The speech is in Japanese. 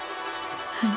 はい。